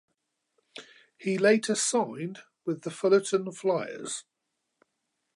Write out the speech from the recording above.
He later signed with the Fullerton Flyers.